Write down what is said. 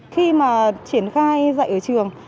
khi mà triển khai dạy ở trường